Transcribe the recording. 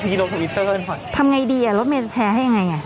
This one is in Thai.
นี่ลงทวิตเตอร์ทำไงดีอ่ะรถเมย์จะแชร์ให้ยังไงอ่ะ